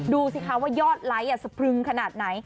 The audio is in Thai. ดูสิครับว่ายอดไลฟ์อ่ะสปรึงขนาดไหน